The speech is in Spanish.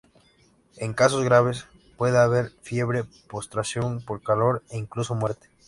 En casos graves puede haber fiebre, postración por calor e incluso muerte.